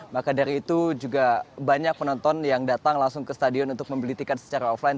maka dari itu juga banyak penonton yang datang langsung ke stadion untuk membeli tiket secara offline